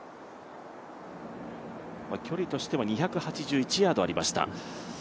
距離としては２８１ヤードありました